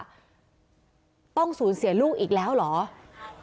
อายุ๖ขวบซึ่งตอนนั้นเนี่ยเป็นพี่ชายมารอเอาน้องชายไปอยู่ด้วยหรือเปล่าเพราะว่าสองคนนี้เขารักกันมาก